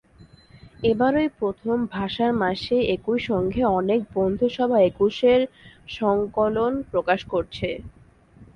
এবারই প্রথম ভাষার মাসে একই সঙ্গে অনেক বন্ধুসভা একুশের সংকলন প্রকাশ করছে।